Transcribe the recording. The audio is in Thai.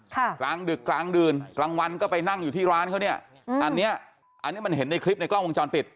กลางดึกกลางดื่นกลางวันก็ไปนั่งอยู่ที่ร้านเขาเนี้ยอืมอันเนี้ยอันเนี้ยมันเห็นในคลิปในกล้องวงจรปิด